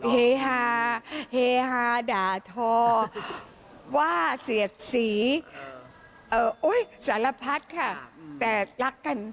เฮฮาเฮฮาด่าทอว่าเสียดสีสารพัดค่ะแต่รักกัน